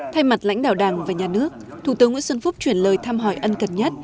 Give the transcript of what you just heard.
thay mặt lãnh đạo đảng và nhà nước thủ tướng nguyễn xuân phúc chuyển lời thăm hỏi ân cần nhất